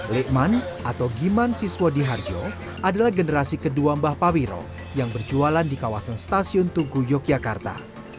lekman atau giman siswadi harjo adalah generasi kedua mbah pawiro yang berjualan di kawasan stasiun tugu yogyakarta